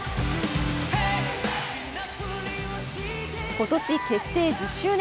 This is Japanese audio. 今年結成１０周年。